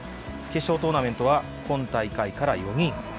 決勝トーナメントは、今大会から４人。